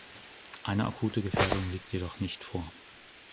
Eine akute Gefährdung liegt jedoch nicht vor.